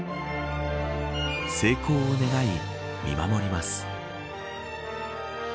成功を願い、見守ります。